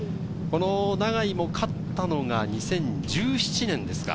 永井も勝ったのが２０１７年ですか。